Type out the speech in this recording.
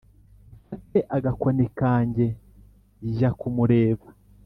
mfate agakoni kanjye jya kumureba